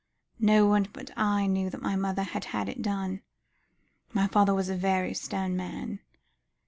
No one but I knew that my mother had had it done; my father was a very stern man.